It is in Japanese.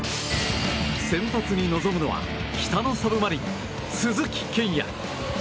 先発に臨むのは北のサブマリン、鈴木健矢。